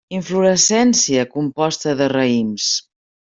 Inflorescència composta de raïms.